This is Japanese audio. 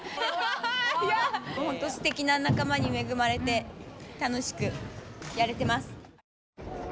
すてきな仲間に恵まれて楽しくやれてます。